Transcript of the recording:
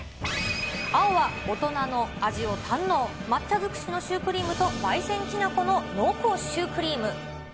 青は大人の味を堪能、抹茶づくしのシュークリームと焙煎きな粉の濃厚シュークリーム。